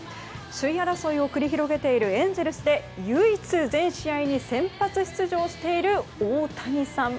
首位争いを繰り広げているエンゼルスで唯一、全試合に先発出場している大谷さん。